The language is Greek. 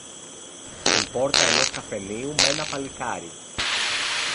στην πόρτα ενός καφενείου μ' ένα παλικάρι.